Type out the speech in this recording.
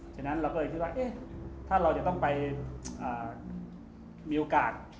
ฉะนั้นเราก็เลยคิดว่าถ้าเราจะต้องไปมีโอกาส